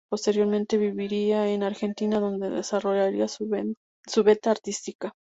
Posteriormente viviría en Argentina, donde desarrollaría su veta artística.